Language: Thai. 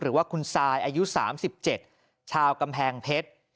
หรือว่าคุณซายอายุ๓๗ชาวกำแพงเพชร